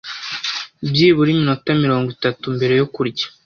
byibura iminota mirongo itatu mbere yo kurya